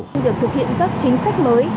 để thực hiện các chính sách mới